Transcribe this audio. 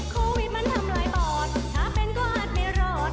โควิดมันทำลายบอดถ้าเป็นก็อาจไม่รอด